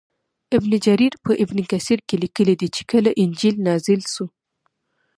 ابن جریر په ابن کثیر کې لیکلي چې کله انجیل نازل شو.